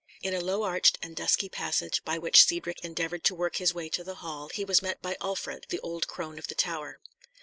In a low arched and dusky passage by which Cedric endeavoured to work his way to the hall, he was met by Urfried, the old crone of the tower.